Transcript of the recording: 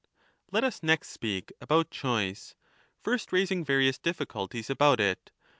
Let us next speak about choice, first raising various diffi lo culties about it.